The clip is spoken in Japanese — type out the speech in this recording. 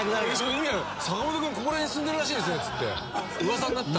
「『坂本君ここら辺に住んでるらしいですね』って噂になってた」